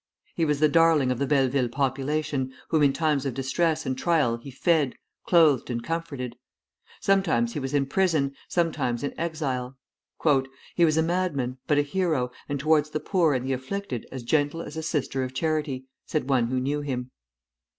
He was the darling of the Belleville population, whom in times of distress and trial he fed, clothed, and comforted. Sometimes he was in prison, sometimes in exile. "He was a madman, but a hero, and towards the poor and the afflicted as gentle as a sister of charity," said one who knew him.